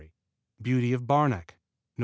Beauty of Barnack Nov.